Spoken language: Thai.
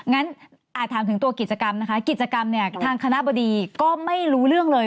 งั้นอาจถามถึงตัวกิจกรรมนะคะกิจกรรมเนี่ยทางคณะบดีก็ไม่รู้เรื่องเลย